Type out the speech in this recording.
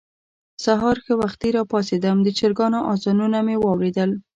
سهار ښه وختي راپاڅېدم، د چرګانو اذانونه مې واورېدل.